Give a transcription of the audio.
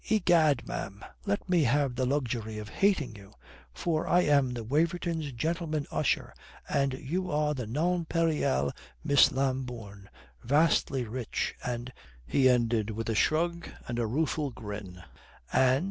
"Egad, ma'am, let me have the luxury of hating you. For I am the Wavertons' gentleman usher and you are the nonpareil Miss Lambourne, vastly rich and " he ended with a shrug and a rueful grin. "And